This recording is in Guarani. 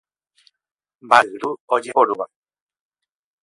Mba'yru ojeporúva.